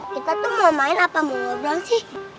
kita tuh mau main apa mau ngobrol sih